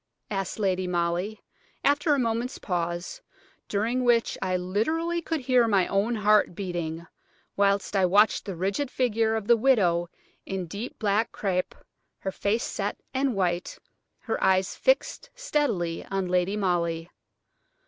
asked Lady Molly, after a moment's pause, during which I literally could hear my own heart beating, whilst I watched the rigid figure of the widow in deep black crape, her face set and white, her eyes fixed steadily on Lady Molly.